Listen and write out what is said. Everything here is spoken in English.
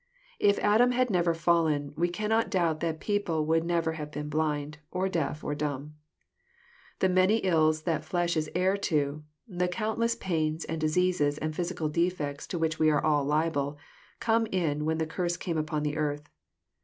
If Adam had never fallen, we cannot doubt that people would never have been blind, or deaf, or dumb. The many ills that fiesh is heir to, the countless pains, and diseases, and physical defects to which we are all liable, came in when the curse came upon the earth.